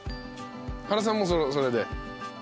原さんもそれで。